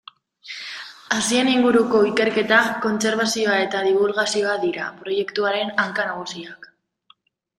Hazien inguruko ikerketa, kontserbazioa eta dibulgazioa dira proiektuaren hanka nagusiak.